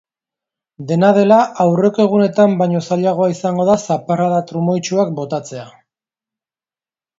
Dena dela, aurreko egunetan baino zailagoa izango da zaparrada trumoitsuak botatzea.